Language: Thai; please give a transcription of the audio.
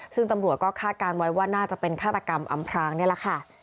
ซึ่งตำรวจก็คาดการณ์ไว้ว่าน่าจะเป็นฆาตกรรมอำพรางนี่แหละค่ะ